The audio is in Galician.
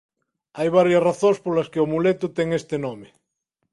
Hai varias razóns polas que o amuleto ten este nome.